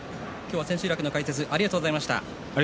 千秋楽の解説ありがとうございました。